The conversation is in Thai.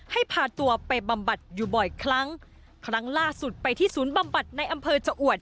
พาตัวไปบำบัดอยู่บ่อยครั้งครั้งล่าสุดไปที่ศูนย์บำบัดในอำเภอชะอวด